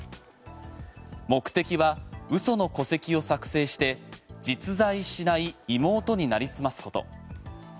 目的は嘘の戸籍を作成して実在しない妹になりすますこと。